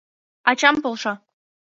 — Ачам полша.